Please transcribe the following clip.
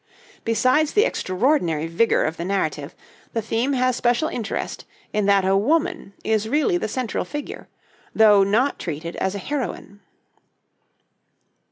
Besides the extraordinary vigor of the narrative, the theme has special interest in that a woman is really the central figure, though not treated as a heroine.